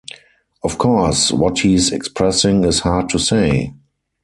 Of course, what he's expressing is hard to say.